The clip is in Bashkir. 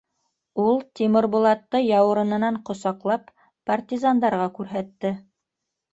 — Ул Тимербулатты, яурынынан ҡосаҡлап, партизандарға күрһәтте.